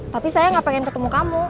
tapi saya gak pengen ketemu kamu